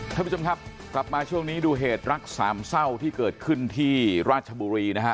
ท่านผู้ชมครับกลับมาช่วงนี้ดูเหตุรักสามเศร้าที่เกิดขึ้นที่ราชบุรีนะฮะ